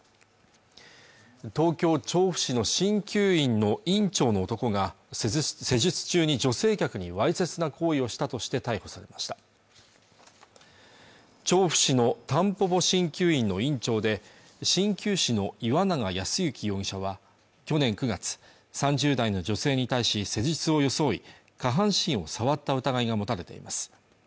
東京・調布市の鍼灸院の院長の男が施術中に女性客にわいせつな行為をしたとして逮捕されました調布市のたんぽぽ鍼灸院の院長で鍼灸師の岩永康幸容疑者は去年９月３０代の女性に対し施術を装い下半身を触った疑いが持たれています